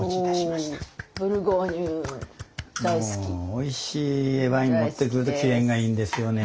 おいしいワイン持ってくると機嫌がいいんですよね